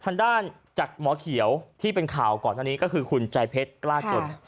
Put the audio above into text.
ทางด้านจากหมอเขียวที่เป็นข่าวก่อนอันนี้ก็คือคุณใจเพชรกล้าจน